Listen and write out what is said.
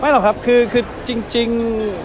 ไม่หรอกครับคือคือจริง